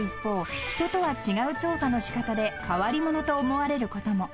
人とは違う調査のしかたで変わり者と思われることも］